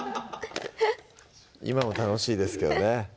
今も楽しいですけどね